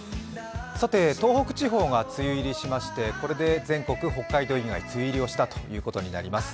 東北地方が梅雨入りしましてこれで全国、北海道以外梅雨入りしたことになります。